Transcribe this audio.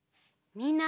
みんな！